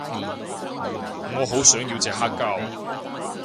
我好想要隻黑膠